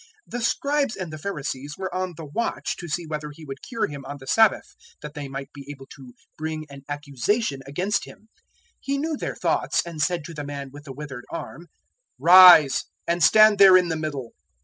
006:007 The Scribes and the Pharisees were on the watch to see whether He would cure him on the Sabbath that they might be able to bring an accusation against Him. 006:008 He knew their thoughts, and said to the man with the withered arm, "Rise, and stand there in the middle."